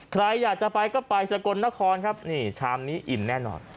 ใครอยากจะไปก็ไปสกลนครครับนี่ชามนี้อิ่มแน่นอน